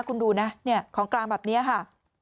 คุณดูนะของกลางแบบนี้ค่ะ